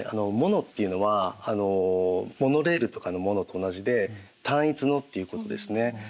「モノ」っていうのはモノレールとかの「モノ」と同じで「単一の」っていうことですね。